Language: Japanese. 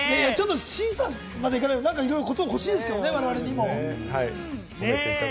審査まではいかないけれど、いろいろ言葉は欲しいですけれどもね、我々にも。